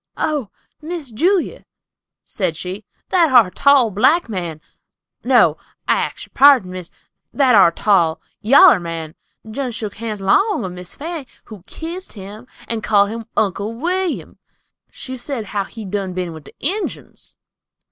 "Oh, Miss Julia!" said she, "that ar' tall, black man—no, I ax yer pardon, miss—that ar' tall, yaller man, done shook hands 'long of Miss Fanny, who kissed him, and called him Uncle William. She said how he done been with the Injuns."